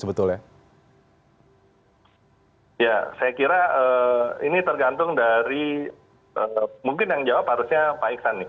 saya kira ini tergantung dari mungkin yang jawab harusnya pak iksan nih